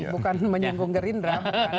bukan menyenggung gerindra